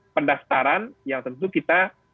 pendaftaran yang tentu kita